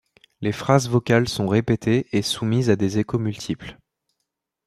Les phrases vocales sont répétées et soumises à des échos multiples.